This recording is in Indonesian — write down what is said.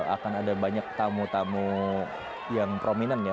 akan ada banyak tamu tamu yang prominent ya